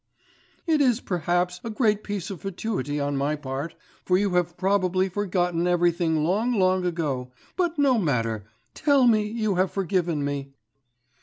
_ It is perhaps a great piece of fatuity on my part, for you have probably forgotten everything long, long ago, but no matter, tell me, you have forgiven me.